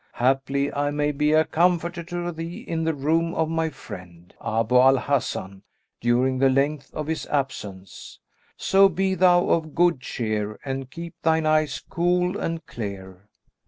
Haply I may be a comforter to thee in the room of my friend, Abu al Hasan, during the length of his absence: so be thou of good cheer and keep thine eyes cool and clear."